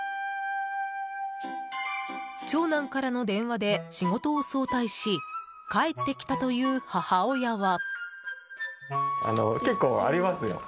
長男からの電話で仕事を早退し帰ってきたという母親は。